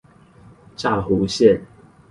柵湖線